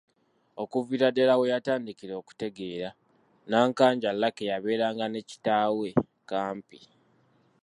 Okuviira ddala we yatandikira okutegeera, Nnakanja Lucky yabeeranga ne kitaawe Kampi.